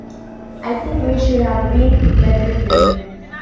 I think we should have been better trained.